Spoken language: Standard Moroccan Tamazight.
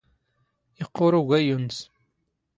ⵉⵇⵇⵓⵔ ⵓⴳⴰⵢⵢⵓ ⵏⵏⵙ.